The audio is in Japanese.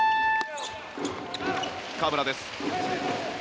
河村です。